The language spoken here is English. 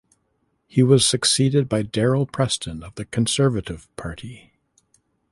He was succeeded by Darryl Preston of the Conservative Party.